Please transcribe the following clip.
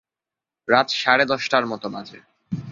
রাত সাড়ে দশটার মতো বাজে।